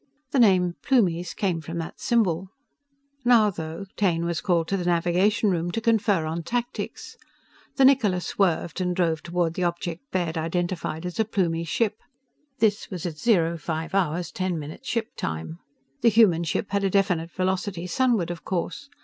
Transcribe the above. The name "Plumies" came from that symbol. Now, though, Taine was called to the navigation room to confer on tactics. The Niccola swerved and drove toward the object Baird identified as a Plumie ship. This was at 05 hours 10 minutes ship time. The human ship had a definite velocity sunward, of course.